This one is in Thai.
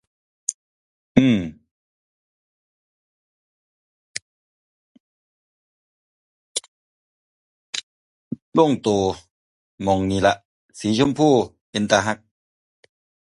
อือ ลงที่ นี่แหละ สีชมพูโคตรน่ารัก